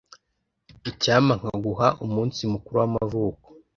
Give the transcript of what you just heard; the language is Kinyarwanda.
Icyampa nkaguha umunsi mukuru w'amavuko